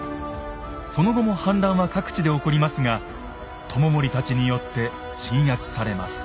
その後も反乱は各地で起こりますが知盛たちによって鎮圧されます。